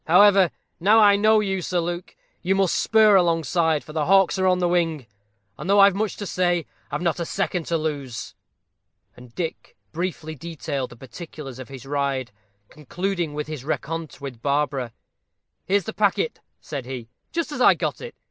However, now I know you, Sir Luke, you must spur alongside, for the hawks are on the wing; and though I've much to say, I've not a second to lose." And Dick briefly detailed the particulars of his ride, concluding with his rencontre with Barbara. "Here's the packet," said he, "just as I got it.